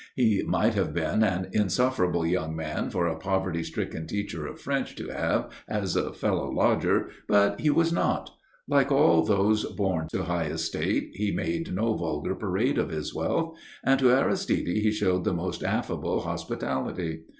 He might have been an insufferable young man for a poverty stricken teacher of French to have as a fellow lodger; but he was not. Like all those born to high estate, he made no vulgar parade of his wealth, and to Aristide he showed the most affable hospitality.